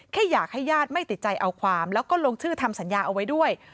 แค่อยากให้ญาติไม่ติดใจเอาความแล้วก็ลงชื่อทำสัญญาเอาไว้ด้วย